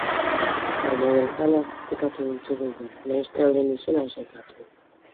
Baina jeltzaleak kritikatu ditu gehien, nahiz eta euren izena ez aipatu.